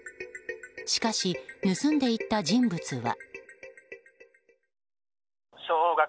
しかし、盗んでいった人物は。